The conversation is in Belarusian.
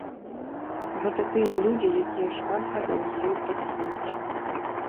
Гэта тыя людзі, якія шмат гадоў з ёй працуюць.